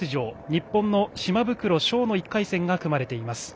日本の島袋将の１回戦が組まれています。